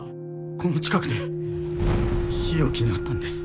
この近くで日置に会ったんです。